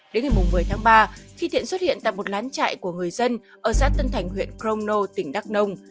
đến ngày một mươi tháng ba khi thiện xuất hiện tại một lán trại của người dân ở xã tân thành huyện crono tỉnh đắk nông